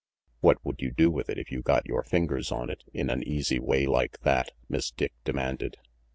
"What would you do with it, if you got your fingers on it in an easy way like that?" Miss Dick demanded.